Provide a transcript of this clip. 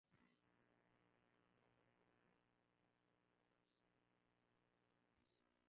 wakitaka kuwapo kwa uchaguzi kamili wa nafasi za bunge